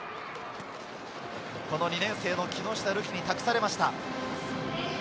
２年生の木下瑠己に託されました。